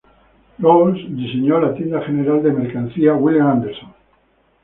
Rawls diseñó la Tienda General de Mercancías William Anderson.